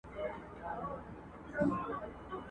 د ښځي چې له مېړه سره راستي وي، ژوند یې ښه وي ..